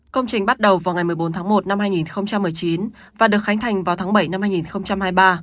công trình bắt đầu vào ngày một mươi bốn tháng một năm hai nghìn một mươi chín và được khánh thành vào tháng bảy năm hai nghìn hai mươi ba